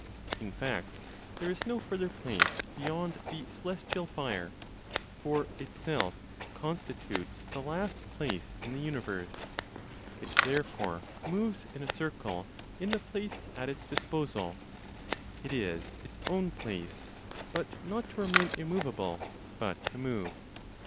In fact there is no further place, beyond the celestial fire, for itself constitutes the last place in the universe; it therefore moves in a circle in the place at its disposal; it is its own place, but not to remain immovable, but to move.